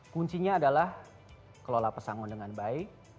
kuncinya adalah kelola pesangon dengan baik